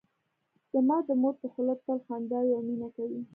زما د مور په خوله تل خندا وي او مینه کوي